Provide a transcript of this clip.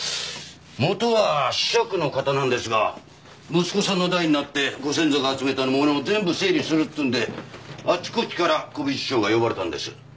元は子爵の方なんですが息子さんの代になってご先祖が集めた物を全部整理するって言うんであちこちから古美術商が呼ばれたんです。